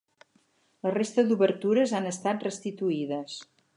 La resta d'obertures han estat restituïdes.